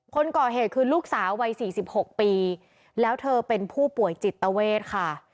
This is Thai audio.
คนก่อเหตุคือลูกสาววัย๔๖ปีแล้วเธอเป็นผู้ป่วยจิตเวทค่ะ